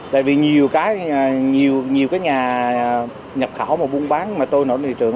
tại vì nhiều cái nhà nhập khảo mà buôn bán mà trôi nổi nội thị trường